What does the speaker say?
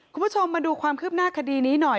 คุณผู้ชมมาดูความคืบหน้าคดีนี้หน่อย